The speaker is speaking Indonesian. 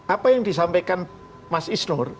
apa yang disampaikan mas isnur